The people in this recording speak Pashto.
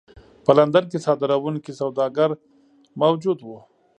په لندن کې صادروونکي سوداګر موجود وو.